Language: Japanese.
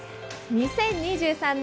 ２０２３年